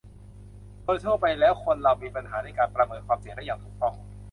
โดยทั่วไปแล้วคนเรามีปัญหาในการประเมินความเสี่ยงได้อย่างถูกต้อง